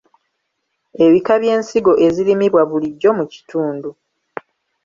Ebika by’ensigo ezirimibwa bulijjo mu kitundu.